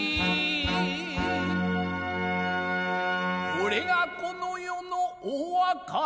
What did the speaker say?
「これがこの世のお別れに」